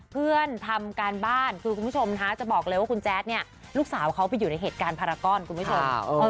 เพื่อนทำการบ้านคือคุณผู้ชมจะบอกเลยว่าคุณแจ๊ดเนี่ยลูกสาวเขาไปอยู่ในเหตุการณ์พารากรคุณผู้ชม